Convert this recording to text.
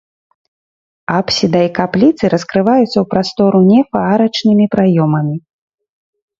Апсіда і капліцы раскрываюцца ў прастору нефа арачнымі праёмамі.